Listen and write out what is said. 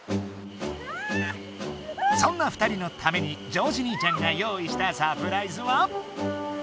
そんな２人のために紹次にいちゃんが用意したサプライズは。